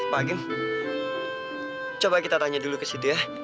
pak agen coba kita tanya dulu ke situ ya